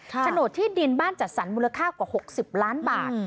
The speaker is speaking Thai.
โฉนดที่ดินบ้านจัดสรรมูลค่ากว่า๖๐ล้านบาท